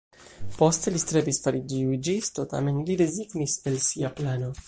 Poste li strebis fariĝi juĝisto tamen li rezignis el sia plano.